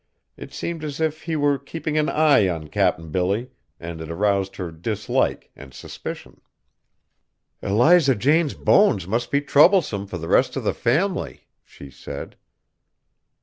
It seemed as if he were keeping an eye on Cap'n Billy, and it aroused her dislike and suspicion. "Eliza Jane's bones must be troublesome for the rest of the family," she said.